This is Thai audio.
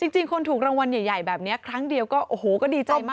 จริงคนถูกรางวัลใหญ่แบบนี้ครั้งเดียวก็โอ้โหก็ดีใจมาก